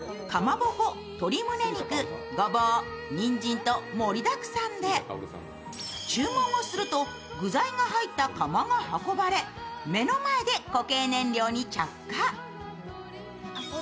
具材は、かまぼこ、鳥むね肉、ごぼう、にんじんと盛りだくさんで注文をすると具材が入った釜が運ばれ目の前で固形燃料に着火あ。